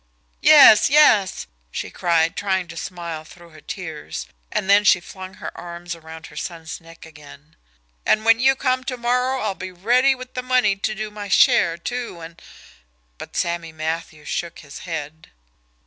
"Yes, yes!" she cried, trying to smile through her tears and then she flung her arms around her son's neck again. "And when you come to morrow, I'll be ready with the money to do my share, too, and " But Sammy Matthews shook his head.